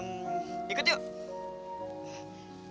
aku ke sana dulu ya